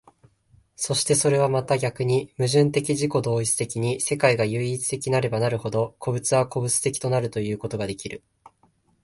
そしてそれはまた逆に矛盾的自己同一的に世界が唯一的なればなるほど、個物は個物的となるということができる。